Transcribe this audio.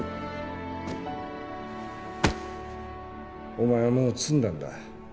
お前はもう詰んだんだ。